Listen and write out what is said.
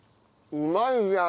うまいじゃん。